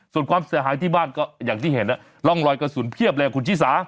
ส่วนความเสียหายที่บ้านก็อย่างที่เห็นร่องรอยกระสุนเพียบเลยคุณชิสา